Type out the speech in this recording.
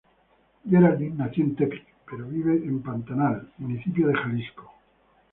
Geraldine nació en Tepic, pero vive en Pantanal, municipio de Xalisco.